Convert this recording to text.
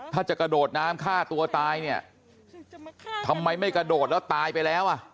ถ้าจะกระโดดน้ำฆ่าตัวตายเนี่ยทำไมไม่กระโดดแล้วตายไปแล้วอ่ะ